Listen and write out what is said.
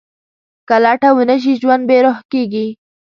که لټه ونه شي، ژوند بېروح کېږي.